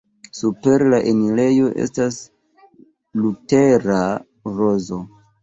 Super la enirejo estas Lutera rozo.